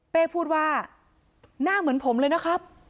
พูดว่าหน้าเหมือนผมเลยนะครับ